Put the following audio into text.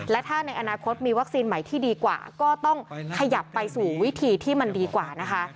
และถ้าในอนาคตมีวัคซีนใหม่ที่ดีกว่าก็ต้องขยับไปสู่วิธีที่มันดีกว่านะคะ